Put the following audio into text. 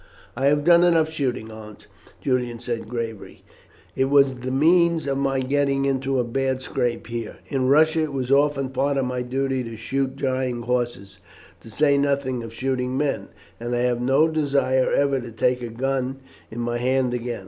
"I have done enough shooting, Aunt," Julian said gravely. "It was the means of my getting into a bad scrape here. In Russia it was often part of my duty to shoot dying horses, to say nothing of shooting men, and I have no desire ever to take a gun in my hands again.